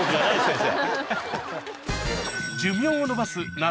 先生。